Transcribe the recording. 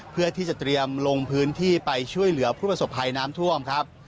เพื่อที่จะเตรียมลงพื้นที่ไปช่วยเหลือผู้ประสบภัยน้ำท่วมครับ